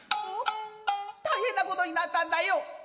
大変なことになったんだよ！